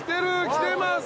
きてます！